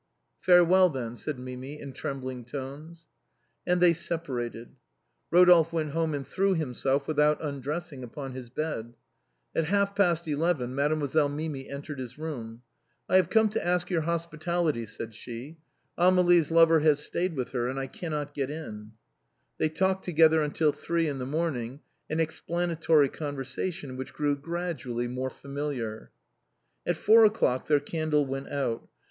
" Farewell, then," said Mimi, in trembling tones. And they separated. Rodolphe went home and threw himself, without undressing, upon his bed. At half past eleven Mademoiselle Mimi entered his room. 182 THE BOHEMIANS OF THE LATIN QOARTEE. "'I have come to ask your hospitality," said she; " Amélie's lover has stayed with her, and I cannot get in/' They talked together till three in the morning — an ex planatory conversation which grew gradually more familiar. At four o'clock their candle went out.